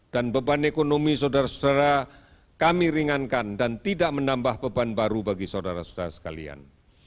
dan beban ekonomi saudara saudara kami ringankan dan tidak menambah beban baru bagi saudara saudara sekalian